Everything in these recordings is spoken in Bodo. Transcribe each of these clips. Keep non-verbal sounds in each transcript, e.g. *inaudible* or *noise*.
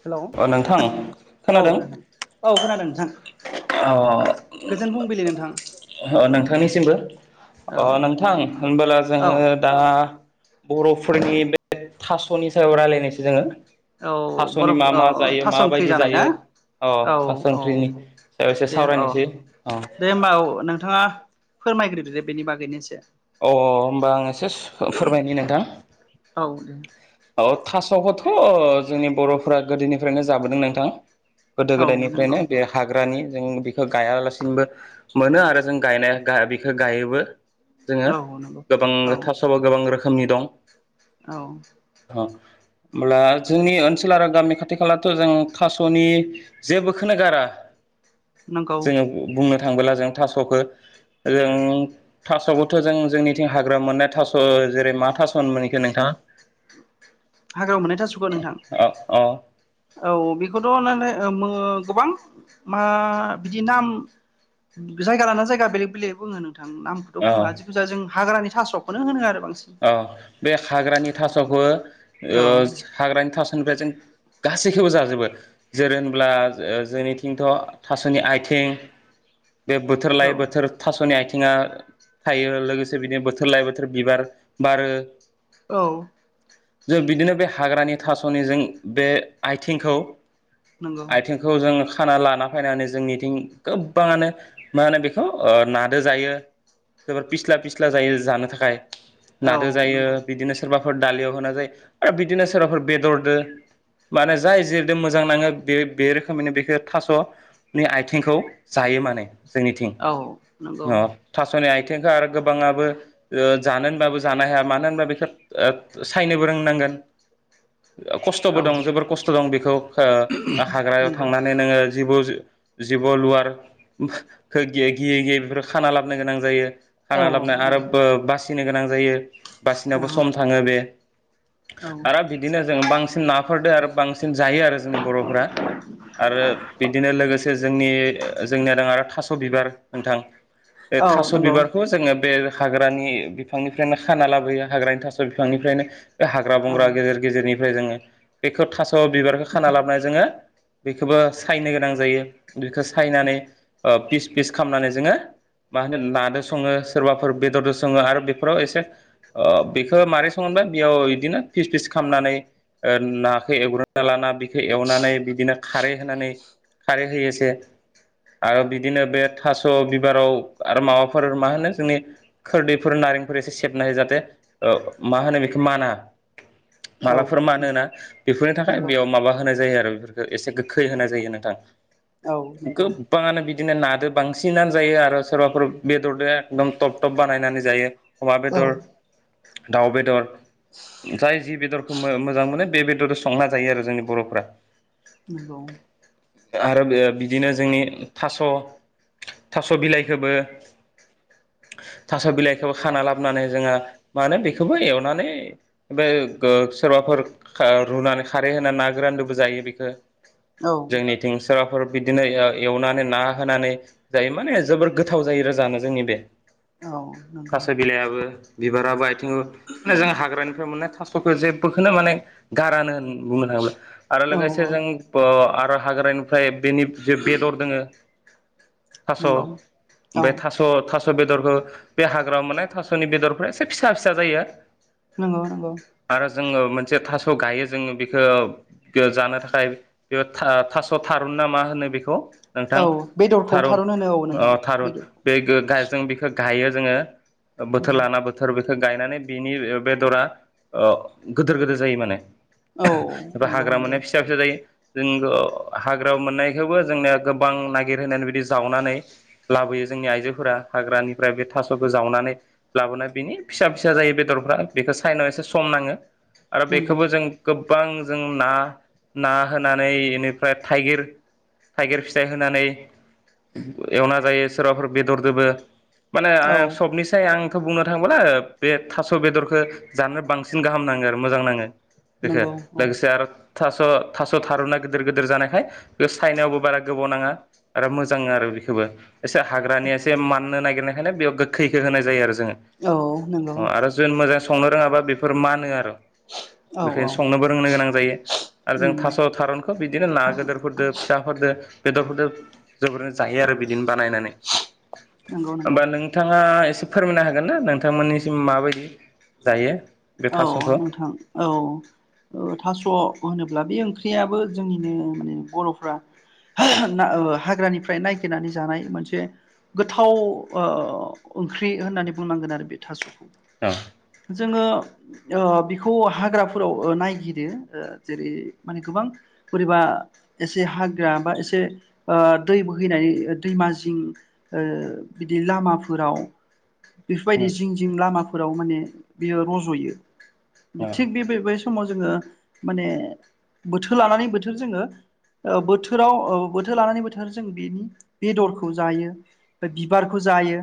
हेलौ अ नोंथां औ खोनादों नोंथां औ खोनादों नोंथां। अ गोजोन फुंबिलि नोंथां नोंथांनिसिमबो औ अ नोंथां होनबोला औ जोङो दा बर'फोरनि बे थास'नि सायाव रायज्लायनायसै जोङो औ थास'नि मा बर'फ्रा मा औ जायो थास ओंख्रि माबायदि जानाय ना? जायो अ औ थास' औ ओंख्रिनि सायाव एसे दे औ सावरायनोसै अ दे होमबा औ नोंथाङा फोरमायग्रोदो बेनि बागैनो एसे अ होमबा आं एसे फोरमायनि नोंथां औ दे औ थास'खौथ' ओ जोंनि बर'फ गोदोनिफ्रायनो जाबोदों नोंथां गोदो औ नंगौ गोदायनिफ्रायनो बे हाग्रानि जों बेखौ गायालासिनोबो मोनो आरो जों गायनाय बेखौ गायोबो जोङो औ नंगौ गोबां औ थास' बा गोबां रोखोमनि दं। औ होमब्ला जोंनि ओनसोल आरो गामि खाथि खालाथ' जों थास'नि जेबोखौनो गारा नंगौ जोङो बुंनो थांबोला जों थास'खौ जों थास'खौ थ' जों जोंनिथिं हाग्रायाव मोननाय थास' जेरै मा थास'होनोमोन बेखो नोंथां? हाग्रायाव मोननाय थास'खो नोंथां? अ औ बेखौथ' न गोबां मा बिदि नाम जायगा लाना जायगा बेलेग बेलेग बुङो नोंथां नामखौथ' अ बुंला जिखु जाया जों हाग्रानि थास'खौनो होनो आरो। बांसिन औ बे हाग्रानि थास'खौ ओ औ हाग्रानि थास'निफ्राय जों गासैखौबो जाजोबो जेरै होनब्ला जोंनिथिंथ' थास'नि आथें। *inaudible* बे बोथोर औ लायै बोथोर थास'नि आथिंया थायो लोगोसे बिदिनो बोथोर लायै बोथोर बिबार बारो। औ जों बिदिनो बे हाग्रानि थास'निजों बे आइथिंखौ नंगौ। खाना लाना फैनानै जोंनिथिं गोबाङानो मा होनो बेखौ नादो जायो। जोबोर फिस्ला फिस्ला जायो जानो थाखाय औ नादो जायो नंगौ बिदिनो सोरबा दालियाव होना जायो आरो बिदिनो सोरबाफोर बेदरदो माने जाय जेरद मोजां नाङो बे बे रोखोमैनो बेखौ थास'नि आइथिंखौ जायो। यो माने जोंनिथिं औ नंगौ ओ थास'नि आइथ *unintelligible* आरो गोबाङाबो ओ जानो होनबाबो जानो हाया मानो होनबा बेखौ ओब सायनोबो रोंनांगोन । खस्थ'बो औ दं जोबोर खस्थ' दं बेखौ ओ हाग्रायाव नंगौ थांनानै नोङो जिबै जि जिब' लुवार गियै गियै बेफोर खाना लाबोनो गोनां जायो। खाना औ लाबोनाय आरो नंगौ बो बासिनो गोनां जायो औ बासिनायावबो सम थाङो बे औ आरो बिदिनो जों बांसिन नाफोरदो आरो बांसिन जायो आरो जोंनि बर'फोरा आरो बिदिनो लोगोसे जोंनि जोंनिया दङ आरो थास' बिबार नोंथां बे औ थास' नंगौ बिबारखौ जोङो बे हाग्रानि बिफांनिफ्रायनो खाना लाबोयो हाग्रानि थास' बिफांनिफ्रायनो बे हाग्रा औ बंग्रा गेजेर गेजेरनिफ्राय जोङो बेखौ थास' बिबारखौ खाना लाबोनाय जोङो बेखौबो सायनो गोनां जायो बेखौ सायनानै। ओ पिस फिस खालामनानै जोङो मा होनो नादो सङो सोरबाफोर बेदरजों सङो आरो बे फोराव एसे बेखौ माबोरै संहबाय बेयाव बिदिनो फिस फिस खालामामनानै ओ नाखौ एवग्रोना लाना बेखौ एवनानै बिदिनो खारै होनानै खारै होयोसे आरो बिदिनो बे थास' बिबाराव आरो माबाफोर मा होनो जोंनि खोरदैफोर नारें फोर एसे सेबनो होयो जाहाथे मा होनो बेखौ माना औ मालाफोर मानो होना बेफोरनि थाखाय नंगौ बेयाव माबा होनाय जायो आरो बेफोरखो एसे गोखै होना जायो नोंथां औ नंगौ औ नंगौ गोबाङानो बि -बिदिनो नादो बांसिनानो जायो आरो सोरबाफोर बेदरजों एकदम टब थब बानायनानै जायो। अमा औ नंगौ औ बेदर दाउ बेदर जाय जि बेदर खौ मोजां मोनो बे बेदरजों संना जायो आरो जोंनि बर'फ्रा *unintelligible* आरो बे बिदिनो जोंनि थास' थास' बिलाइखौबो थास' बिलायखौ खाना लाबोनानै जोंहा मा होनो बेखौबो एवनानै बा ओ सोरबाफोर ओ रुनानै खारै होनानै ना गोरानजोंबो जायो बेखौ जोंनिथिं सोरबाफोर बिदिनो ओ एवनानै ना होनानै जायो माने जोबोर गोथाव जायो रोजानो जोंनि बे औ थास' बिलाइयाबो। बिबारा बो आथिङाव माने जों हाग्रानिफ्राय मोननाय थासथ'खौ जेबोखौनो माने गारानो होन बुंनो थां आरो लोगोसे जों बो आरो हाग्रानिफ्राय बेनि जे बेदर दोङो? थास' औ बे थास' थास' बेद बेदरखौ बे हाग्रायाव मोननाय थास'नि बेदरफोरा एसे फिसा फिसा जायो। नगौ नंगौ। आरो जोङो मोनसे थास' गायो जोङो बेखौ जानो थाखाय बे थास' थारुन ना मा होनो? बेखौ औ नोंथां बेदरखौ थारुन होनो औ ओ नोंथां थारुन बेदरखौ बे गायजों बेखौ बेखौ गायो जोङो बोथोर लाना बोथोर बेखौ गायनानै बिनि बेदरा ओ गोदोर गोदोर जायो माने औ एबा नंगौ हाग्रा नंगौ मोननाया फिसा फिसा जायो। जों हाग्राायाव मोननायखौबो जोंनिया गोबां नागिरो होननानै बिदि जावनानै लाबोयो जोंनि आइजोफोरा हाग्रानिफ्राय बेथ थास'खौ जावनानै लाबोनाय बिनि फिसा फिसा जायो बेदरफ्रा बेखौ साइनानैसो संनाङो। आरो नंगौ बेखौबो जों गोबां जों ना ना होनानै इनिफ्राय थाइगिर थाइगिर फिथाइ होनानै एवना जायो सोरबाफोर बेदरदोबो माने औ आ सबनिसाय आं आंथ' बुंनो थाङोब्ला बे थास' बेदरखौ जानो बांसिन गाहाम नाङो आरो मोजां नाङो। नंगौ औ लोगोसे आरो थास' थास' थारुना गिदिर गिदिर जानायखाय बे साइनायावबो बारा गोबाव नाङा आरो मोजां आरो। बेखौबो एसे हाग्रानि एसे माननो नागिरनायखायनो बेयाव गोखैखौ होनाय जायो आरो। औ नंगौ जोङो आरो जों मोजां संनो रोङाबा बेफोर मानो आरो। औ बेफोरनो औ संनोबो रोंनो गोनां जायो। आरो जों थास' थारुनखौ बिदिनो ना गोदोरफोरदो फिसाफोरदो बेदरफोरदो जोंफोरो जायो आरो बिदिनो बानायनानै नंगौ नंगौ होमबा नोंथाङा एसे फोरमायनो हागोन ना नोंथांमोननिसिम माबायदि जायो बे औ थास'खौ नोंथां औ थास' होनोब्ला ब्ला बे ओंख्रियाबो जोंनिनो बर'फ्रा हाग्रानिफ्राय नायगिरनानै जानाय मोनसे गोथाव ओ ओंख्रि होननानै बुंनांगोन आरो बे थास'खौ औ। जोङो ओ बिखौ हाग्राफोराव ओ नायगिरो जेरै माने गोबां बोरैबा एसे हाग्रा बा एसे ओ दै बोहैनाय दैमा जिं ओ बिदि लामाफोराव बेफोरबायदि जिं जिं लामाफोराव माने बेयो रज'यो। थिग बेबाय बे समाव जोङो माने बोथोर लानानै बोथोर जोङो ओ बोथोराव ओ बोथोर लानानै बोथोर जों बेनि बेदरखौ जायो ब बिबारखौ जायो।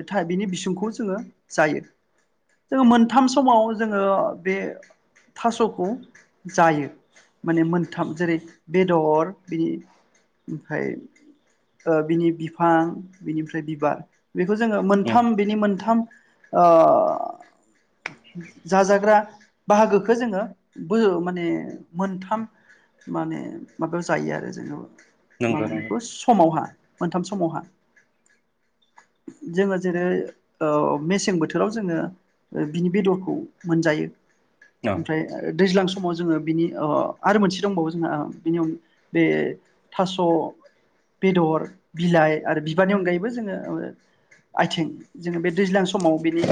ओथाय बिनि बिसुंखौ जोङो जायो। जोङो मोनथाम समाव जोङो बे थास'खौ जायो। माने मोनथाम जेरै बेदर बेनि ओमफ्राय ओ बिनि बिफां बिनिफ्राय बिबार। बेखौ जोङो मोनथाम बिनि मोनथाम ओ जाजाग्रा बाहागोखो जोङो बो माने मोनथाम माने माबायाव जायो आरो जोङो मा नंगौ बुङो बेखौ समावहा। मोनथाम समावहा । जोङो जेरै ओ मेसें बोथोराव जोङो बिनि बेदरखौ मोनजायो नंगौ ओमफ्राय आरो दैज्लां समाव जोङो बिनि अ आरो मोनसे दंबावो जोंहा बिनि‌ अनगा बे थास' बेदर बिलाइ आरो बिबारनि अनगायैबो जोङो आथिं जोङो बे दैज्लां समाव बेनि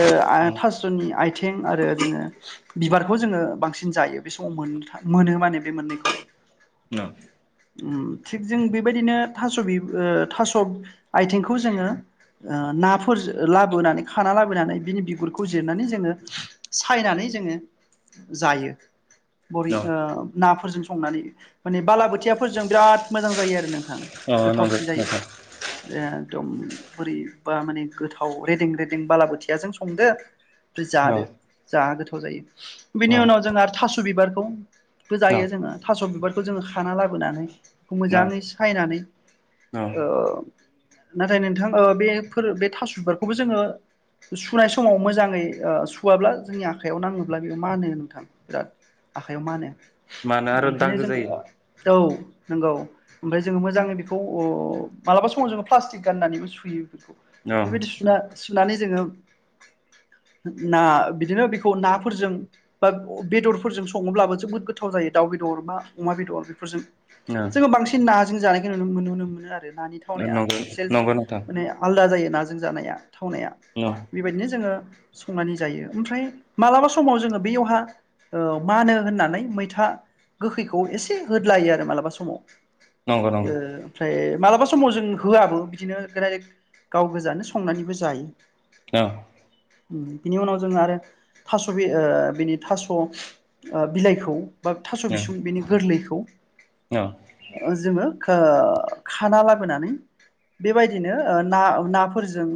ओ थास'नि आथि आथिं आरो जोङो बिबारखौ जोङो बांसिन जायो बे समाव मोन मोनो माने बे मोननैखौ । न। ओम थिग जों बेबायदिनो थास' बि ओ थास' आइथिंखौ जोङो ओ नाफोर लाबोनानै खाना लाबोनानै बिनि गुरखौ जिरनानै जोङो सायनानै जोङो जायो बरि ओ नाफोरजों संनानै माने बालाबोथियाफोरजों बिराद मोजां जायो आरो नोंथां अ नंगौ गोथावसिन जायो नोंथां एदम बोरैबा माने गोथाव रेदें रेदें बालाबोथियाजों संदो औ जादो जा गोथाव जायो औ बिनि उनाव जोंहा थास' बिबारखौ बो औ जायो जोङो थास' बिबारखौ जोङो खाना लाबोनानै औ मोजाङै सायनानै औ ओ नाथाय नोंथां ओ बेफोर बे थास' बिबारखौबो जोङो सु सुनाय समाव मोजाङै ओ सुवाब्ला जोंनि आखायाव नाङोब्ला बेयाव मा होनो नोंथां बिराद आखयाव मानो मानो आरो ओंखायनो दागो जोङो जायो औ नंगौ ओमफ्राय जोङो मोजाङै बेखौ उ मालाबा समाव जोङो प्लास्टिक गाननानैबो सुयो। औ बेबायदि सुना सुनानै जोङो *inaudible* ना बिदिनो बेखौ नाफोरजों बा बेदरफोरजों सङोब्लाबो जोबोद गोथाव जायो दाउ दाउ बेदर बा अमा बेदर बेफोरजों औ जोङो बांसिन नाजों जानायखौ नु नुनो मोनो आरो नानि नंगौ थावनायानो एसे नंगौ नोंथां माने आलदा जायो नाजों जानाया थावनाया औ बेबायदिनो जोङो संनानै जायो ओमफ्राय मालाबा समाव जोङो बैयावहा ओ मानो होननानै मैथा गोखैखौ एसे होदलायो आरो मालाबा समाव। नंगौ नंगौ ओ ओमफ्राय मालाबा समाव जों होआबो बिदिनो *unintelligible* गाव गोजानो संनानैबो जायो। *unintelligible* बिनि उनाव जोङो आरो थास' बि ओ बिनि थास' ओ बिलाइखौ बा थास' औ बिसं बेनि गोरलैखौ औ ओ जोङो खो खाना लाबोनानै बेबायदिनो ओ ना नाफोरजों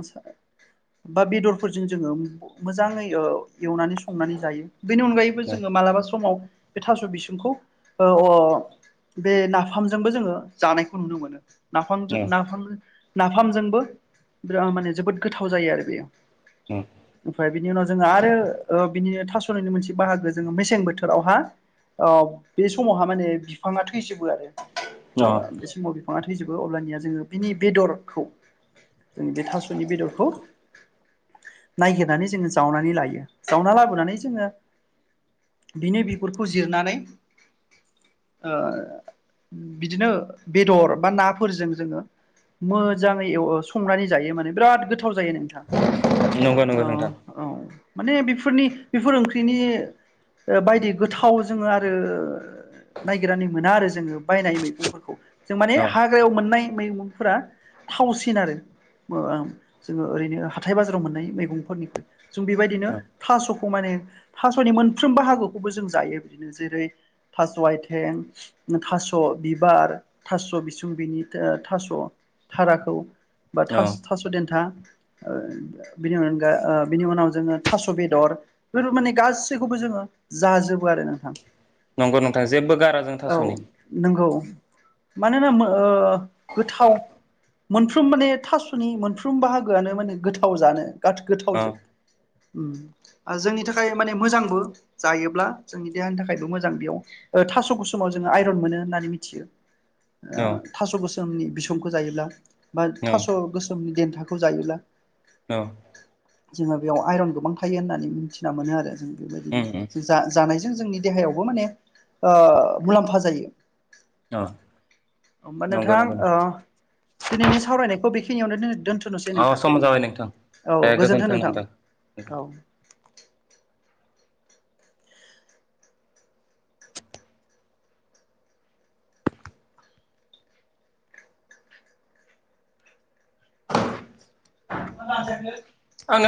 बा बेदरफोरजों जोङो मोजाङै ओ एवनानै संनानै जायो बेनि अनगायैबो औ जोङो मालाबा समाव बे थास' बिसुंखौ ओ अ बे नाफामजोंबो जोङो जानायखौ नुनो मोनो। नाफामजों नाफाम नाफामजोंबो बिर माने जोबोद गोथाव जायो आरो बेयो। ओमफ्राय बिनि उनाव जोङो आरो ओ बिनिनो थास'निनो मोनसे बाहागो जोङो मेसें बोथोरावहा अ बे समावहा माने बिफाङा थ *unintelligible* जोबो आरो ओ बेसमाव बिफाङा थ थैजोबो अब्लानिया जोङो बेनि बेदरखौ जोंङो बे थास'नि बेदरखौ नायागिरनानै जोङो जावनानै लायो जावना लाबोनानै जोङो। बिनि बिगुरखौ जिरनानै ओ बिदिनो बेदर बा नाफोरजों जोङो मोजाङै एव संनानै जायो माने बिराद गोथाव जायो नो नंगौ नंगौ नोंथां माने बेफोरनि बेफोर ओंख्रिनि ओ बायदि गोथाव जोङो आरो नायगिरनानै मोना आरो जोङो बायनाय मैगंफोरखौ जों माने औ हाग्रायाव मोननाय मैगंफोरा थावसिन आरो मो ओम जोङो ओरैनो हाथाइ बाजाराव मोननाय मैगंफोरनिख्रुइ जों बेबायदिनो औ थास स' खौ माने थास'नि मोनफ्रोमबो बाहागोखौबो जों जायो बिदिनो जेरै थास' आथें थास' बिबार थास' बिसुं बिनि ओ थास' थाराखौ बा औ थास थास' देन्था ओ बिनि अनगा ओ बिनि उनाव जोङो थास' बेदर बेफोर माने गासैखौबो जोङो जाजोबो आरो नोंथां नंगौ नोंथां जेबो गारा जों औ थास'नि नंगौ मानोना मो ओ गोथाव मोनफ्रोम माने थास'नि मोनफ्रोम बाहागोआनो माने गोथाव जानो गा गोथाव औ जोब। उ आरो जोंनि थाखाय माने मोजांबो जायोब्ला जोंनि देहानि थाखायबो मोजां बेयाव। ओ थास' गोसोमाव जोङो आयरन मोनो होननानै मिथियो। औ ओ थास' गोसोमनि बिसंखौ जायोब्ला बा औ थास' गोसोमनि देन्था खौ जायोला औ। जोङो बेयाव आइरन गोबां थायो होननानै मिथिना मोनो आरो जों बेबायदिनो उम उम जों जा जानाय जों जोंनि देहायावबो माने ओ मुलाम्फा जायो। औ होमबा नंगौ नोंथां नंगौ ओ नंगौ। दिनैनि सावरायनायखौ बेखिनियावनो दोनथ'नोसै अ नोंथां सम जाबाय नोंथां औ गोजोन्थों नोंथां औ। *inaudible* मा दानजायाखैलै। आङो